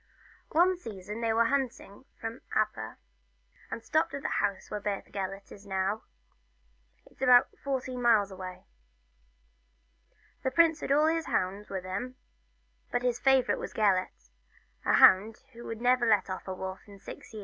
One season they went hunting from Aber, and stopped at the house where Beth Gelert is now it 's about fourteen miles away. The prince had all his hounds with him, but his favourite was Gelert, a hound who had never let off a wolf for six years.